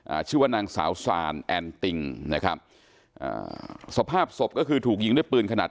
ชื่อว่านางสาวซานแอนติงนะครับอ่าสภาพศพก็คือถูกยิงด้วยปืนขนาด